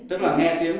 tức là nghe tiếng